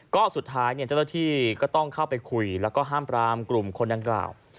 ก็สุดท้ายเจ้าหน้าที่ก็ต้องเข้าไปคุยแล้วก็ห้ามปรามกลุ่มคนดังกล่าว